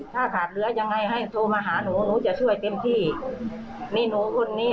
ถ้าขาดเหลือยังไงให้โทรมาหาหนูหนูจะช่วยเต็มที่นี่หนูคนนี้